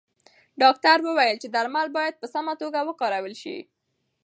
ډاکتر وویل چې درمل باید په سمه توګه وکارول شي.